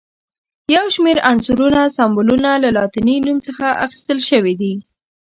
د یو شمېر عنصرونو سمبولونه له لاتیني نوم څخه اخیستل شوي دي.